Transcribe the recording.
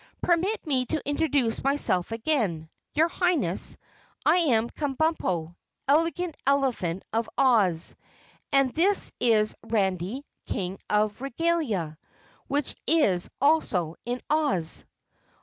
"Permit me to introduce myself again. Your Highness, I am Kabumpo, Elegant Elephant of Oz, and this is Randy, King of Regalia, which is also in Oz."